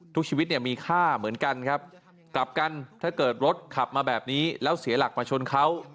ทุกชีวิตเนี่ยมีค่าเหมือนกันครับกลับกันถ้าเกิดรถขับมาแบบนี้แล้วเสียหลักมาชนเขา